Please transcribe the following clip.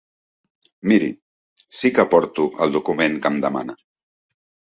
Miri, sí que porto el document que em demana.